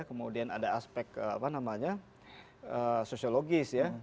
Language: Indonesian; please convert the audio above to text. kemudian ada aspek apa namanya sosiologis ya